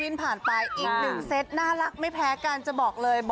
ผ่านไปอีกหนึ่งเซตน่ารักไม่แพ้กันจะบอกเลย